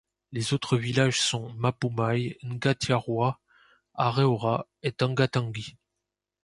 Les autres villages sont Mapumai, Ngatiarua, Areora et Tengatangi.